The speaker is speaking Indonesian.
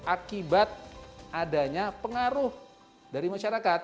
akibat adanya pengaruh dari masyarakat